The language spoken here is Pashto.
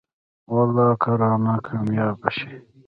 والله که رانه کاميابه شې.